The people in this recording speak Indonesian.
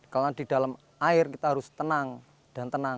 karena di dalam air kita harus tenang dan tenang